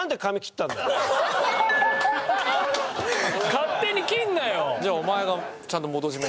勝手に切るなよ！